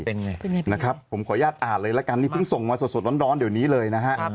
เป็นไงพี่นิดนะครับผมขออนุญาตอ่านเลยละกันนี่เพิ่งส่งมาสดร้อนเดี๋ยวนี้เลยนะฮะ